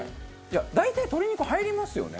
大体鶏肉入りますよね？